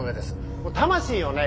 もう魂をね